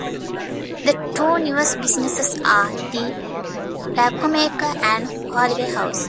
The two newest businesses are The Plaquemaker and Holloway House.